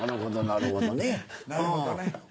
なるほどね。